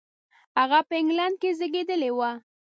هغه په انګلېنډ کې زېږېدلی و.